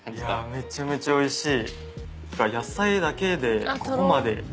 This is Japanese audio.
めちゃめちゃおいしい。